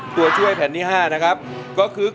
ตัวช่วยแผ่นที่๕นะครับก็คือ